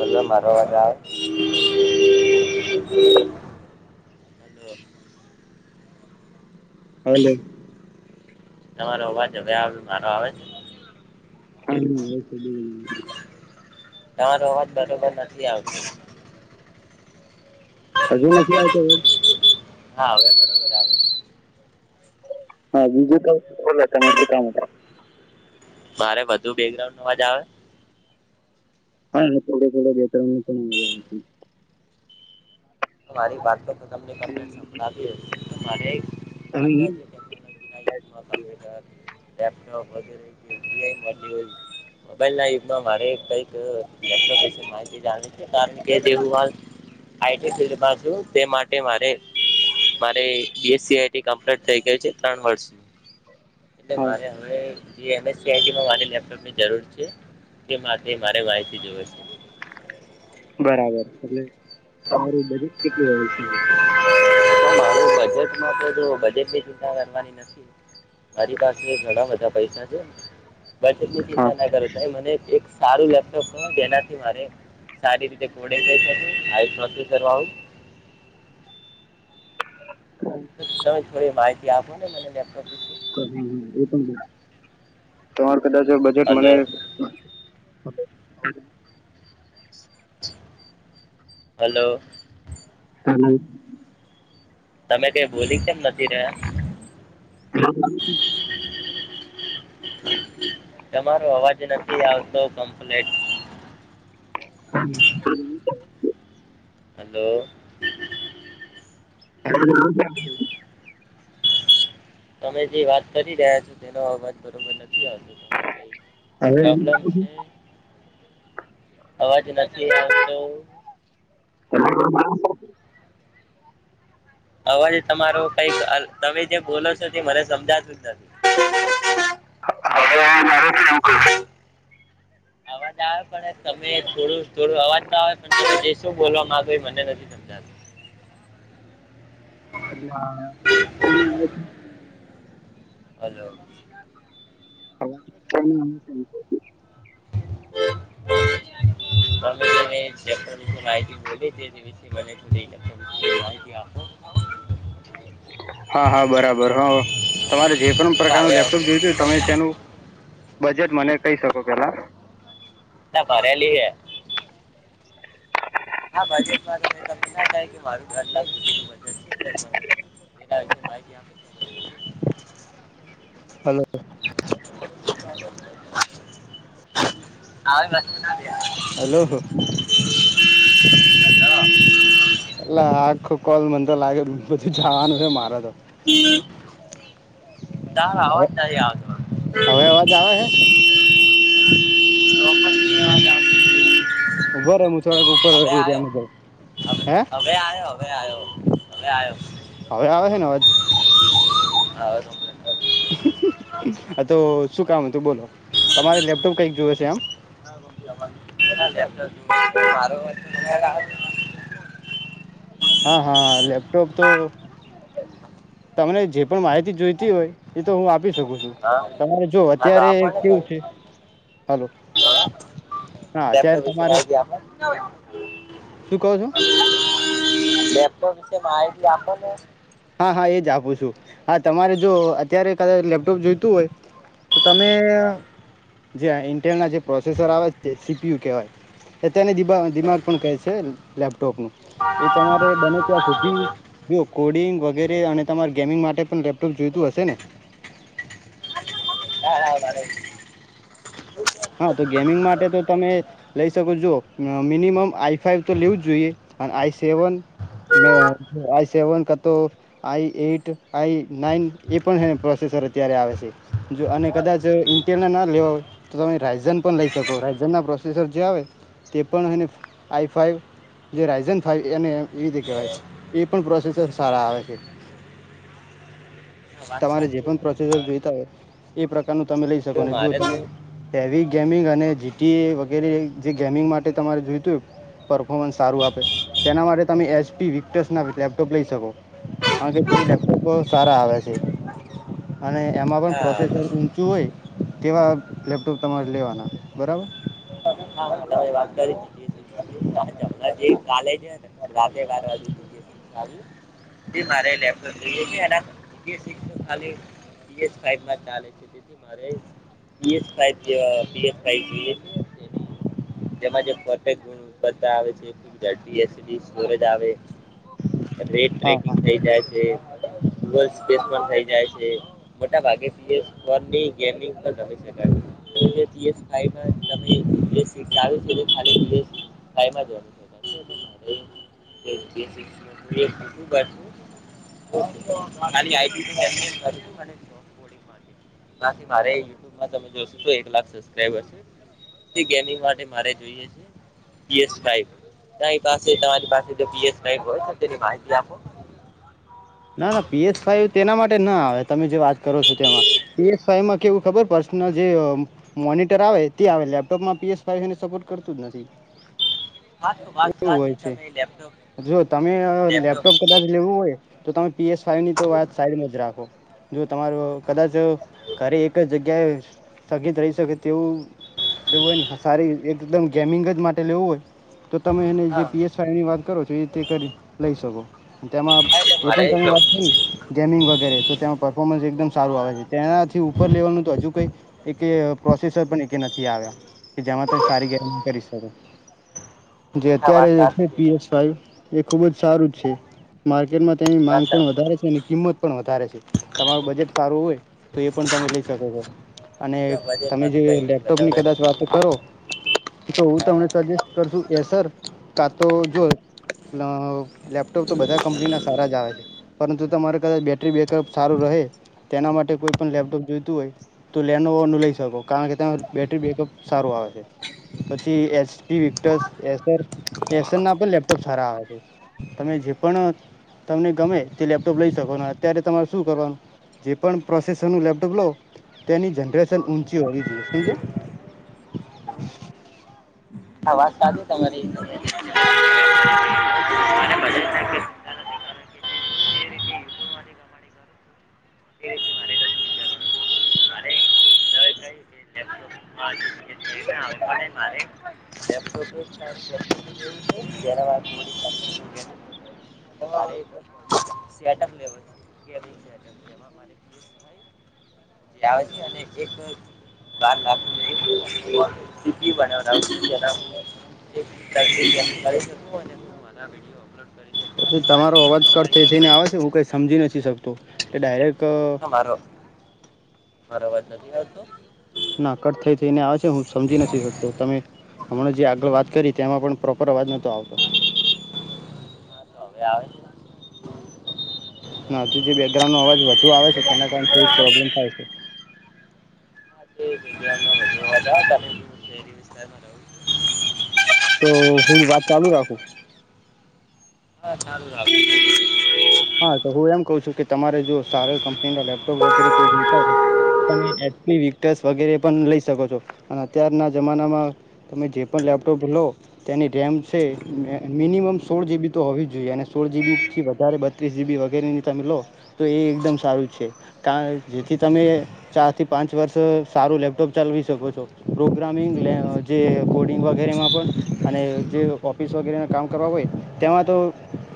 Hello મારો અવાજ [inaudible] [inaudible] hello તમારો અવા જ છે વ્યા મારો આવે છે તમારો અવાજ બરોબર નથી આવતું અજુ નથી છે હ હ બરો આવે હા બીજું તો બોલો તમે શું કામ મારે વધુ બેકગ્રાઉન્ડ નવાજા આવે હા હ થડે થડે બે પણ મજા આવ [inaudible] મારી વાત કર તો તમને ક આપી મારે અંદાજને નકી ના કમ્પ્યુટર [inaudible] લપટો મોબાઈલ ના યુગમાં મારે કઈક લેપટો વિશે માહિતી જા છે કારણ કે જે સ્પીડ માં માટે મારે મારે બીસટી કમ્પ્ટ થઈ ગયું છે ત્રણ વર્ષ એટલે મારે અવાજ હવે જે એમએસસીઆઈટીમાં મારી લેપટોપની જરૂર છે તે માટે મારે માહિતી જોવે છે. બરાબર એલે. [inaudible] [inaudible] પણ મારું બજેટમાં તો બજેટની ચિંતા કરવાની નથી મારી પાસે ઘણા બધા પૈસા છે. બ એ હા ચિંતા ના કરોતા એ મને એક સારું લેપટોપ જેનાથી મારે સારી રીતે કોડો [inaudible] થોડી માહિતી ગયાભોને મને લેપટપ તો હમ હમ એ પણ તમાર [inaudible] કદાચ બજેટ હલો મને [inaudible] હલો. [unintelligible] તમે કઈ બોલી કેમ નથી? રહ્યા [unintelligible] તમારો અવાજ નથી આવતો કમ્પ્લીટ. હલો. [unintelligible] તમે જે વાત કરી રહ્યા છો, તેનો અવાજ બરોબર નથી આવતો, ત કઈ નહીં પ્રોબ્લમ આવતું? છે. અવાજ નથી આવતો. [unintelligible] અવાજ તમારો કઈક તમે જે બોલો છો, તે મને સમજાતું જ નથી. [unintelligible] અવાજ આવે પણ તમે થોડું થોડો અવાજ તો આવે પણ જે શું બોલ માંગ મને નથી સમજાતું. [unintelligible] હલો. [unintelligible] માહિતી બો મ માહિતી આપો, હા હા બરાબર હ તમારે જે પણ હા પ્રકારનું હવે લેપટોપ આવશે જોયું હતુ, તમે તેનું બજેટ મને કહી શકો પેલા. ના ફરલી હે. હા બજેટ માર તમે ના થાય કે મારું ઘર લ જેું બજન છે, હલો. [unintelligible] હલો. અ આખો કોલ મને તો લાગે, પછી જવાનું છે, મારે તો તારો અવાજ નહી, આવતો હવે અવાજ આવે હે ચોક્કસથી અવાજ આવતો નથી. ઉભોરે હું થોડોક હવે આવ્યો હવે હવે આવ્યો હવે આવ્યો, હવે આવ્યો. હવે આવે છે, ને અવાજ [unintelligible] આ તો શું કામ હતું બોલો તમારે લેપટોપ કઈક જોવે છે, એમ? [unintelligible] હા હા લેપટોપ તો તમને જે પણ માહિતી જોઈતી હોય, એ તો હું આપીશ હા હા તો આપોને કેવું છે હલો કઈક હા અત્યારે લેપટોપ વિશે તમારે માહિતી આપોને, શું કહો છો લેપટોપ વિશે માહિતી આપોને, હા હા એ જ આપું છું, હા તમારે જો અત્યારે કદાચ લેપટોપ જોઈતું હોય, તો તમે હા. જે ઇન્ટેલ ના જે પ્રોસેસર આવે છે સીપીયુ કવય [unintelligible] બીન વગેરે અને તમારે ગેમિંગ માટે પણ લેપટોપ જોઈતું હશે ને [unintelligible] હા તો ગેમિંગ માટે તો તમે લઈ શકો છો મિનિમમ આઈ ફાઈવ તો લેવું જ જોઈએ અને આઈ સેવન મે આઈ સેવન કાતો આઈ એટ આઈ નાઈન એ પણ પ્રોસેસર અત્યારે આવે છે જો અને કદાચ ઇન્ટેલને ના લેવો હોય તો તમે રાયઝન પણ લઈ શકો રાાયઝન ના પ્રોસેસર જે આવે તે પણ એને આઈ ફાઈવ જે રાયઝન ફાઈવ એ એ રીતે કહેવાય એ પણ પ્રોસેસર સારા આવે છે વાત તમારે જે સાચી પણ પ્રોસેસર જોઈતા હોય એ પ્રકાર તનુ તમે લઈ શકો ને જો મારે તો તમે હેવી ગેમિંગ અને જીટીએ વગેરે જે ગેમિંગ માટે તમારે જોઈતું પરફોમન્સ સારું આપે તેના માટે તમે એસપી વિક્ટસના લેપટોપ લઈ શકો કારણ કે એ લેપટોપ સારા આવે છે અને એમાં પણ હા પ્રોસેસર તમે લઊંચું હોય કેવા લેપટોપ તમારે લેવાના બરાબર [unintelligible] [unintelligible] કાલે જે અને [unintelligible] [unintelligible] મારે પીએસ ફ જેવા પીએસએ જેહી તેમાં જે ફતે ગુણ બધા આવે છે જડી એસીડી સ્ટોરેજ આવે રેડ હા ટ્રેકિંગ હા થઇ જાય છે ગુલ સ્પેસ પણ થઇ જાય છે મોટા ભાગે સ્કો ની ગેમિંગ હોય છે પીએસ ફાઈમાંમેસ [inaudible] એક કરું તો એક લાખબ રે જોઈએ છે પા તમારી પાસેએસ હોય તેની માહિતી આપો ના ના પીએસ ફાઈવ તેના માટે ના આવે તમે જે વાત કરો છો તેમાં પએ ફાઇવ માં કેવું ખબર પડ જે મોનટર આવે, તે આવે લેપટોપમાં પીએસ ફ સપોટ કરતું જ, નથી. હા તો વાત એવું હોય સાચી છે, તમે લેપટોપ જો તમે લેપટોપ કદાચ લેવું હોય. તો તમે પી એસ ફાઇવની તો વાત સાઈડમાં જ રાખો, જો તમારો કદાચ ઘરે એક જ જગ્યાએ. સ્થગિત રહી, શકે તેવું લેવું હોય, ને સારી એકદમ ગેમિંગ, જ માટે લેવું હોય તો તમે એને જે હા પીએસઈ ની વાત કરો છો, એ રીતે કરી લઈ, શકો તેમાં એટલે એ મારે પણ તમે જો વાત કરી ગેમિંગ, વગેરે તો તેમાં પરફોર્મન્સ એકદમ સારું આવે છે, તેનાથી ઉપર લેવલનુ, તો હજુ કઈ પ્રોસેસર પણ નથી, આવ્યા કે જેમાં તમે સારી ગેમિંગ કરી શકો જે હા વાત અત્યારે છે, સાચી પીએસ ફ એ ખુબજ સારું છે, માર્કેટમાં તેની માંગ પાછા પણ વધારે છે, અને કિંમત પણ વધારે છે, તમારું બજેટ સારું હોય, તો એ પણ તમે લઈ શકો છો, અને જો તમે બજેટમાં તો જે કંઈ લેપટોપની વધારે કદાચ નથી વાત કરો, તો હા. તને સજેસ્ટ કરશું એ સર કા, તો જો લેપટોપ તો બધા કંપનીના સારા જ આવે છે, પરંતુ તમારે કદાચ બેૅટરી બેકઅપ સારું રહે, તેના માટે કોઈ પણ લેપટોપ જોઈતું હોય, તો લેનો હોનું લઈ શકો કારણ કે તેં બેટરી બેકઅપ સારું આવે છે, પછી એચપી વિક્ટસ એસર એસરના પણ લેપટોપ સારા આવે છે, તમે જે પણ તમને ગમે તે લેપટોપ લઈ શકો, અત્યારે તમારે શું કરવાનું જે પણ પ્રોસેસર નુ લેપટોપ લો તેની જનરેશન ઊંચી હોવી, જોઈએ શું છે હા, વાત સાધી તમારી કોઈ ચિંતા નથી કારણ કે વ [inaudible] કું અને, હું વિડીયો અપલોડ કરી શકું અને પછી સારી તમારો રીતે અવાજ કટ થઇ કમાણી પણ જાયઈને કરી આવે છે, હું કઈ શકું સમજી નથી, શકતો એ ડાયરેક ક મારા અવાજ નથી, આતો. ના કટ થઈ થઈને આવે છે, હું સમજી નથી શકતો, તમે હમણાં જે આગળ વાત કરી તેમાં પણ પ્રોપર અવાજ નતો, આવતો હા તો હવે આવે છે ના જે બેકગ્રાઉન્ડનો અવાજ વધુ આવે છે, તેના કારણે થોડી પ્રોબ્લેમ થાય છે. હા તે મીડિયાનો વધુ અવાજ આવે અને હું શહેરી વિસ્તારમાં રહું છું તો હું, વાત ચાલુ રાખું હા સારું લાગે હા, તો હું એમ કહ છું, કે તમારે જો સારર કંપનીના લેપટોપ વગેરે કોઈ જોતા હોય, તમે એી વિક્ટર્સ વગેરે પણ લઈ શકો છો, અને અત્યારના જમાનામાં તમે જે પણ લેપટોપ લો તેની રેમ છે, મિનિમમ સોળ જીબી તો હોવી, જ જોઈએ અને સોળ જીબી થી વધારે ત્રીસ જીબી વગેરેની તમે લો તો એ એકદમ સારું છે, કાર જેથી તમે ચારથી પાંચ વર્ષ સારું લેપટોપ ચાલવી શકો છો, પ્રોગ્રામિંગ લ જે કોડિંગ વગેરેમાં પણ અને જે ઓફિસ વગેરેના કામ કરવા હોય, તેમાં તો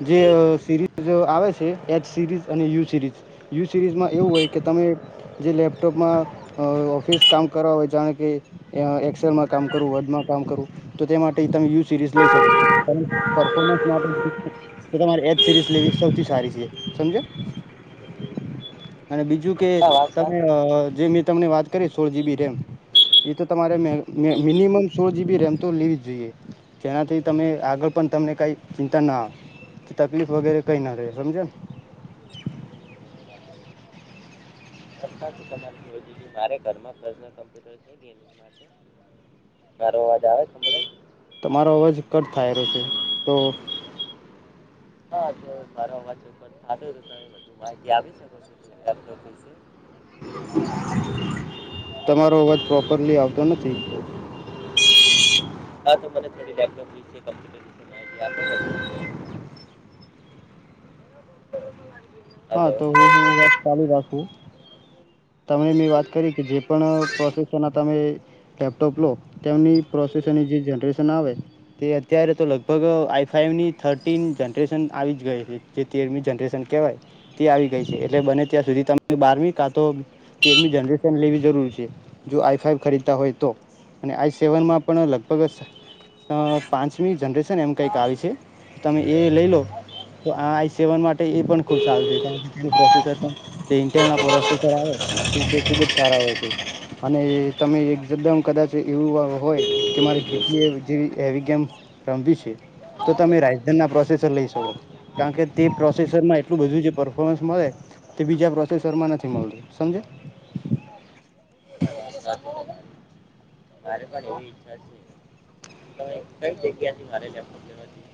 જે સીરીઝ આવે છે, એચ સિરીઝ અને યુ સિરીઝ યુ સિરીઝમાં એવું હોય, કે તમે જે લેપટોપમાં ઓફિસ કામ કરવા હોય, જાણે કે એક્સેલમાં કામ કરું વડમાં કામ કરું તો તે માટે તમે યુ સિરીઝ લઈ શકો પરફોર્મન્સ માટે તમારી એચ સિરીઝ વી સૌથી સારી છે, સમજો અને બીજું, કે હા વાત તમે સાચી હમ. જેમ તમને વાત કરીએ સોળ જીબી રેમ એ તો તમારે મિનિમમ સોળ જીબી રેમ તો લેવી જ જોઈએ, જેનાથી તમે આગળ પણ તમને કાંઈ ચિંતા ના કે તકલીફ વગેરે કઈ ના રહે, સમજઆ રી મારે ઘરમાંમ્પ્યુટર છેો, અવાજ આવે [inaudible] તમારો અવાજ કટ થાય છે, તો હા, તો મારો તધ માહિતી આપી, શકો છો તમારો અવાજ પ્રોપરલી આવતો, નથી. હા, તો મને થોડી છે્પ હા, તો હું હું ચાલી રા [inaudible] તમે મેં વાત કરી કે જે પણ પ્રોસેસરના તમે લેપટોપ લો તેમની પ્રોસેસરની જે જનરેશન આવે તે અત્યારે તો લગભગ આઈ ફાઈવની થર્ટીન જનરેશન આવી જ ગઈ છે, જે તેરમી જનરેશન કહેવાય તે આવી ગઈ છે, એટલે બને ત્યાં સુધી ત બારમી કાં તો તેરી જનરેશન લેવી જરૂર છે, જો આઈ ફાઈવ ખરીદતા હોય, તો અને આઈ સેવનમાં પણ લગભગ પાંચમી જનરેશન એમ કઈક આવી છે, તમે એ લઈ લો તો આઈ સેવન માટે એ પણ ખુબ સારું છે, કારણ કે તે પ્રોસેસર ઇના પ્રોસર આવે તે ખુબ જ સારા હોય છે અને તમે એકદમ કદાચ એવું હોય કે મારે જેલી જેવી હેવી ગેમ રમવી છે તો તમે રાજધાન ના પ્રોસેસર લઈ શકો કારણ કે તે પ્રોસેસરમાં એટલું બધું જે પરફોર્મન્સ મળે તે બીજા પ્રોસેસરમાં નથી મળતું સમજે [inaudible] રે કઈ જગ્યા થી મારે જથી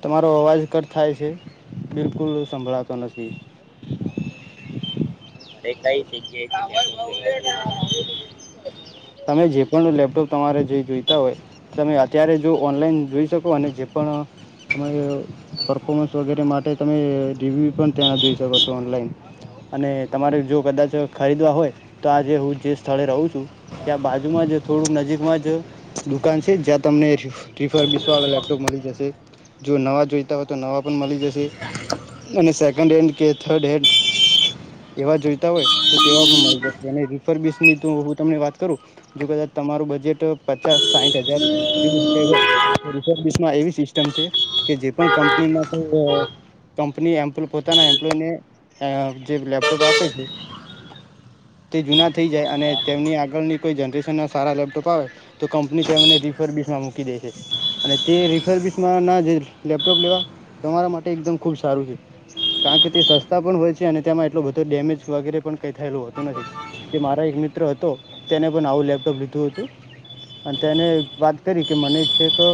તમારો અવાજ કટ થાય છે બિલકુલ સંભળાતો નથી અરે કઈ જગ્યાએ તમે જે પણ લેપટોપ તમારે જે જોઈતા હોય તમે અત્યારે જો ઓનલાઈન જોઈ શકો અને જે પણ તમારે પરફોમન્સ વગેરે માટે તમે રિવ્યુ પણ ત્યાં જોઈ શકો છો ઓનલાઈન અને તમારે જો કદાચ ખરીદવા હોય તો આજે હું જે સ્થળે રહું છું ત્યાં બાજુમાં જ થોડુંક નજીકમાં જ દુકાન છે જ્યાં તમને રિફરબીસ વાળા લેપટોપ મળી જશે જો નવા જોઈતા હોય તો નવા પણ મળી જશે અને સેકન્ડ હેન્ડ કે થર્ડ હેન્ડ એવા જોઈતા હોય તો તેવા પણ મળી જશે અને રિફરબીસ ની તો હું તમને વાત તમારું બજેટ પચાસ સાઠ હજાર જે હોય એવી સિસ્ટમ છે કે જે પણ કંપનીમાં કો કંપની એમ્ પોતાના એમ્પ્લોયને જે લેપટોપ આપે છે તે જૂના થઈ જાય અને તેમની આગળની કોઈ જનરેશનના સારા લેપટોપ આવે તો કંપની તેને રિફરબીસમાં મૂકી દે છે અને તે રિફરબીસમાંના જે લેપટોપ લેવા તમારા માટે એકદમ ખૂબ સારું છે કારણ કે તે સસ્તા પણ હોય છે અને તેમાં એટલો બધો ડેમેજ વગેરે પણ કંઈ થયેલું હોતું નથી તે મારો એક મિત્ર હતો [unintelligible] તેને પણ આવું લેપટોપ લીધું હતું અને તેને વાત કરી કે મને છે કે